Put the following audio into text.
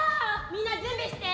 みんな準備して。